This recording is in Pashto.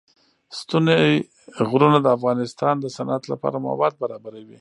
ستوني غرونه د افغانستان د صنعت لپاره مواد برابروي.